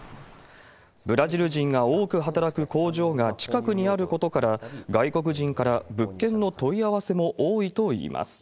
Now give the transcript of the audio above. ブラジル人が多く働く工場が近くにあることから、外国人から物件の問い合わせも多いといいます。